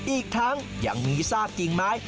อีกทั้งยังมีทราบจริงไหม